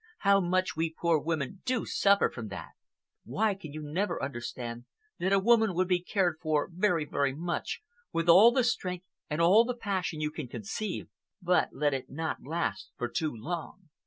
How much we poor women do suffer from that! Why can you never understand that a woman would be cared for very, very much, with all the strength and all the passion you can conceive, but let it not last for too long.